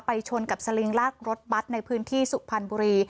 ชนกับสลิงลากรถบัตรในพื้นที่สุพรรณบุรี